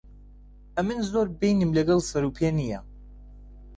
ئەمن زۆر بەینم لەگەڵ سەر و پێ نییە.